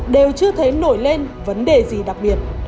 đều chưa thấy nổi lên vấn đề gì đặc biệt